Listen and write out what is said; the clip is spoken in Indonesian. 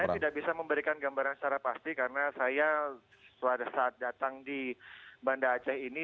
saya tidak bisa memberikan gambaran secara pasti karena saya pada saat datang di banda aceh ini